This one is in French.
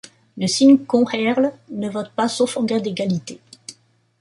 Le Ceann Comhairle ne vote pas sauf en cas d'égalité.